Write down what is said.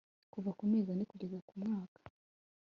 kuva ku mezi ane kugeza ku mwuka